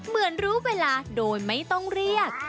เหมือนรู้เวลาโดยไม่ต้องเรียก